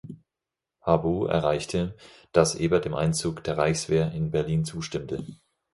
Harbou erreichte, dass Ebert dem „Einzug“ der Reichswehr in Berlin zustimmte.